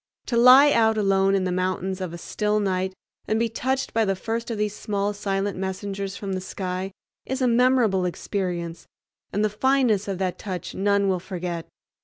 To lie out alone in the mountains of a still night and be touched by the first of these small silent messengers from the sky is a memorable experience, and the fineness of that touch none will forget.